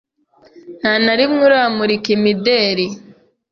nta na rimwe uramurika imideri